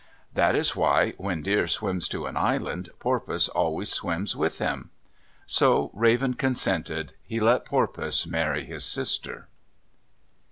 That is why, when Deer swims to an island, Porpoise always swims with him. So Raven consented. He let Porpoise marry his sister.